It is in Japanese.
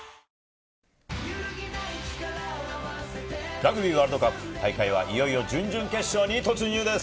ラグビーワールドカップ、大会はいよいよ準々決勝に突入です。